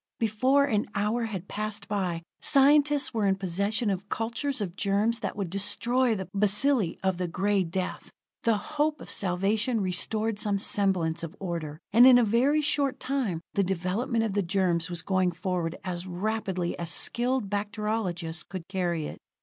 Before an hour had passed by, scientists were in possession of cultures of germs that would destroy the bacilli of the Gray Death. The hope of salvation restored some semblance of order; and in a very short time the development of the germs was going forward as rapidly as skilled bacteriologists could carry it.